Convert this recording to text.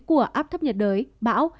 của át thấp nhiệt đới bão